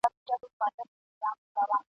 د ده نه ورپام کېدی نه یې په کار وو ..